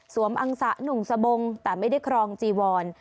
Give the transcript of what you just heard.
อังสะหนุ่มสบงแต่ไม่ได้ครองจีวร